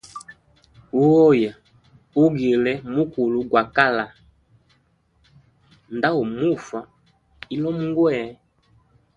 Uoya ungile mukulu gwa kala, nda umufa ilomo ngwee.